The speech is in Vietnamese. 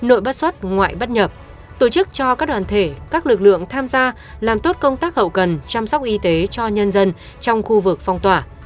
ubnd tổ chức cho các đoàn thể các lực lượng tham gia làm tốt công tác hậu cần chăm sóc y tế cho nhân dân trong khu vực phong tỏa